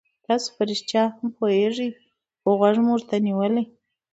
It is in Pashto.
تاسو په رښتیا هم پوهېږئ خو غوږ مو ورته نیولی.